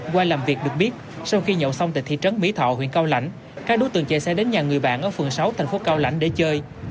qua làm việc được biết sau khi nhậu xong tại thị trấn mỹ thọ huyện cao lãnh các đối tượng chạy xe đến nhà người bạn ở phường sáu thành phố cao lãnh để chơi